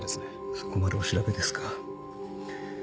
そこまでお調べですか。